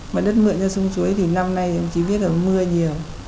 mà đất mượn ra sông suối thì năm nay chỉ biết là mưa nhiều